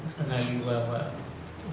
setengah lima pak